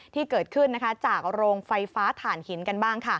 ที่เกิดขึ้นจากโรงไฟฟ้าถ่านหินกันบ้าง